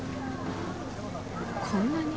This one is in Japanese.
こんなに？